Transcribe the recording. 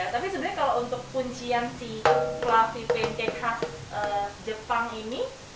tapi sebenarnya kalau untuk kuncian si fluffy pancake khas jepang ini